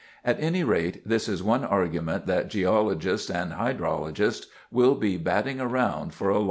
At any rate, this is one argument that geologists and hydrologists will be batting around for a long time.